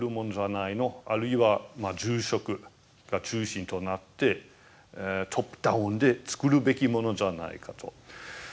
あるいは「住職が中心となってトップダウンで作るべきものじゃないか」と。